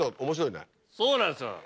そうなんですよ。